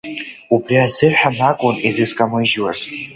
Убри азыҳәан акәын изизкамыжьуаз.